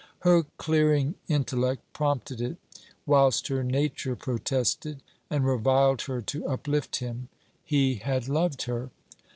Her clearing intellect prompted it, whilst her nature protested, and reviled her to uplift him. He had loved her.